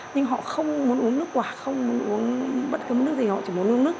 nhưng họ không muốn uống nước quả không muốn uống bất cứ nước gì họ chỉ muốn uống nước